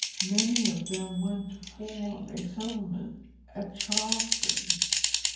Many of them went to form a settlement at Charlestown.